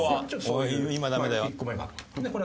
「おい今ダメだよ」。